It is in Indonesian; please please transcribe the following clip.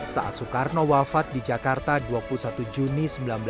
saat soekarno wafat di jakarta dua puluh satu juni seribu sembilan ratus empat puluh